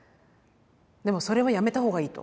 でもそれはやめた方がいいと。